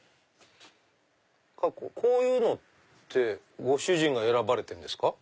こういうのってご主人が選ばれてんですか？